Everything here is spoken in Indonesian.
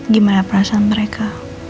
gimana perasaan mereka